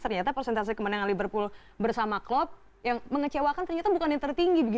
ternyata persentase kemenangan liverpool bersama klub yang mengecewakan ternyata bukan yang tertinggi